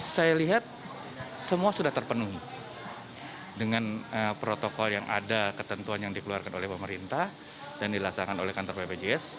saya lihat semua sudah terpenuhi dengan protokol yang ada ketentuan yang dikeluarkan oleh pemerintah dan dilaksanakan oleh kantor bpjs